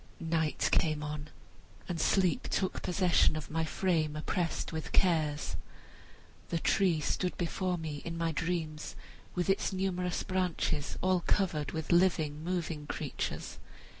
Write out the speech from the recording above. Night came on and sleep took possession of my frame oppressed with cares. The tree stood before me in my dreams, with its numerous branches all covered with living, moving creatures.